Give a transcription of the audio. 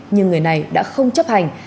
nhưng người này đã không chấp hành